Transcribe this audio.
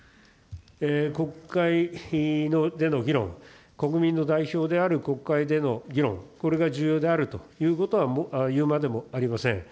国会での議論、国民の代表である国会での議論、これが重要であるということは言うまでもありません。